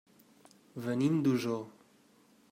Venim d'Osor.